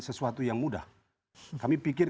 sesuatu yang mudah kami pikir